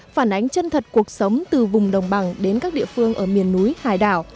phản ánh chân thật cuộc sống từ vùng đồng bằng đến các địa phương ở miền núi hải đảo